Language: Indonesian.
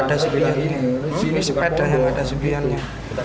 masalahnya yang tidak ada sepedanya